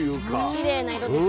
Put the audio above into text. きれいな色ですよね。